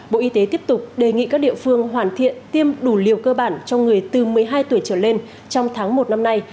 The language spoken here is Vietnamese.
bộ y tế tiếp tục đề nghị các địa phương hoàn thiện tiêm đủ liều cơ bản cho người từ một mươi hai tuổi trở lên trong tháng một năm nay